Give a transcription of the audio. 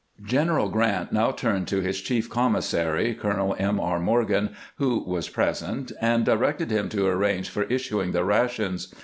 General Grant now turned to his chief commissary, Colonel M. R. Morgan, who was present, and directed him to arrange for issuing the rations.